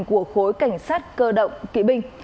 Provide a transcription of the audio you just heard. của khối cảnh sát cơ động kỵ binh